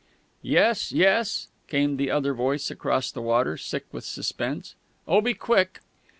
"Yes, yes!" came the other voice across the water, sick with suspense. "_Oh, be quick!